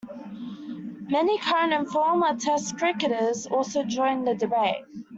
Many current and former Test cricketers also joined in the debate.